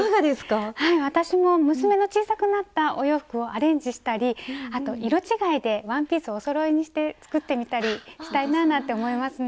私も娘の小さくなったお洋服をアレンジしたりあと色違いでワンピースおそろいにして作ってみたりしたいななんて思いますね。